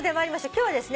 今日はですね